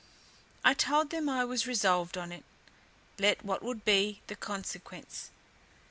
I told them I was resolved on it, let what would be the consequence.